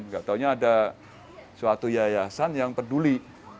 gak taunya ada suatu yayasan yang peduli